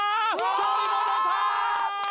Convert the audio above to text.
距離も出たー！